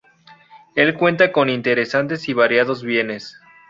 El cuenta con interesantes y variados bienes.